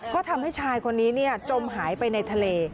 ก็ทำให้ชายคนนี้จมหายไปในทะเล